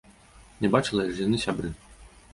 Не бачыла, але ж яны сябры.